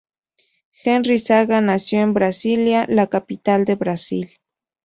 Henry Zaga nació en Brasilia, la capital de Brasil.